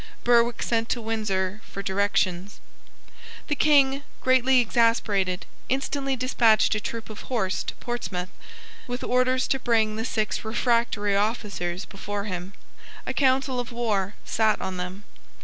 Berwick sent to Windsor for directions. The King, greatly exasperated, instantly despatched a troop of horse to Portsmouth with orders to bring the six refractory officers before him. A council of war sate on them.